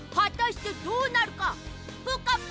はたしてどうなるか！？